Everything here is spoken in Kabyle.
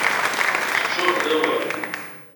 Teččurem d awal.